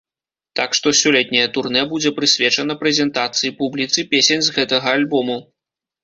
Так што сёлетняе турнэ будзе прысвечана прэзентацыі публіцы песень з гэтага альбому.